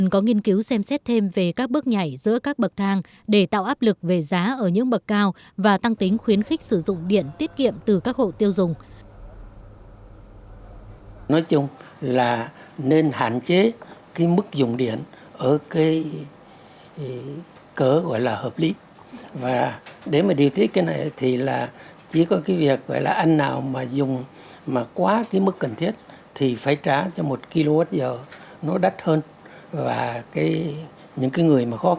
có nghiên cứu xem xét thêm về các bước nhảy giữa các bậc thang để tạo áp lực về giá ở những bậc cao và tăng tính khuyến khích sử dụng điện tiết kiệm từ các hộ tiêu dùng